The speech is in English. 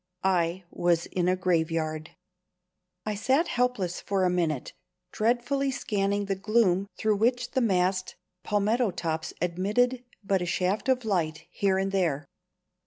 I was in a graveyard. I sat helpless for a minute, dreadfully scanning the gloom through which the massed palmetto tops admitted but a shaft of light here and there.